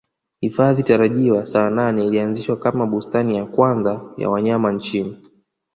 Hifadhi tarajiwa Saanane ilianzishwa kama bustani ya kwanza ya wanyama nchini